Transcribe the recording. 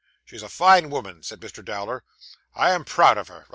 'She's a fine woman,' said Mr. Dowler. 'I am proud of her.